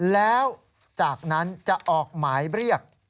แล้วจากนั้นจะออกหมายเรียก